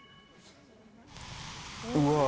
うわ。